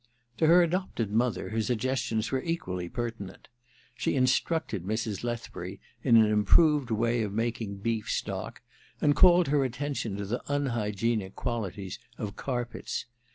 To her adopt^ mother her suggestions were equally pertinent. She instructed Mrs. Lethbury in an improved way of making beef stock, and called her attention to the unhygienic qualities of carpets.